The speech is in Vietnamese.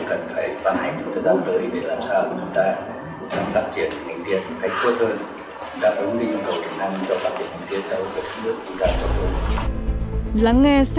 đảm bảo nguyên nhu cầu địa năng cho các địa phương tiên sau của đất nước chúng ta